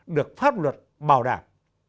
được pháp luật bảo đảm